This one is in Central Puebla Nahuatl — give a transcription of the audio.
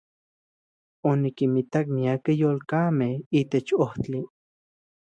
Onikinmitak miakej yolkamej itech ojtli.